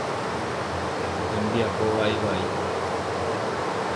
Hembiapo vaivai.